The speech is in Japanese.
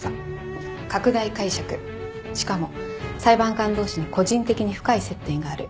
拡大解釈しかも裁判官同士に個人的に深い接点がある。